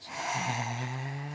へえ。